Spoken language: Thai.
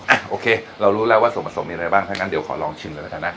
โอเคเรารู้แล้วว่าส่วนผสมมีอะไรบ้างถ้างั้นเดี๋ยวขอลองชิมเลยละกันนะ